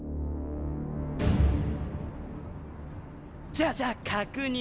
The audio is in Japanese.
じゃあじゃあ確認。